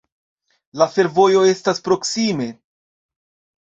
La fervojo estas proksime.